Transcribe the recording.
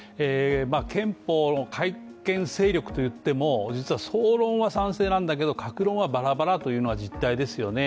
憲法の改憲勢力といっても、総論は賛成なんだけれども各論はバラバラというのが実態ですよね。